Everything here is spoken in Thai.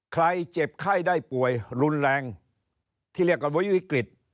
เจ็บไข้ได้ป่วยรุนแรงที่เรียกกันไว้วิกฤต